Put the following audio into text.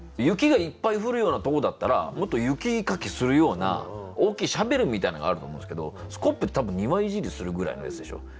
雪がいっぱい降るようなとこだったらもっと雪かきするような大きいシャベルみたいなのがあると思うんですけどスコップって多分庭いじりするぐらいのやつでしょ。